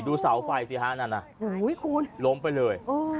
คุณสาวไฟเสียหาแบบนั้นอ่ะโรมไปเลย